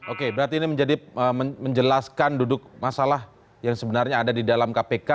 oke berarti ini menjadi menjelaskan duduk masalah yang sebenarnya ada di dalam kpk